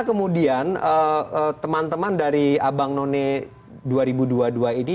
kemudian teman teman dari abang none dua ribu dua puluh dua ini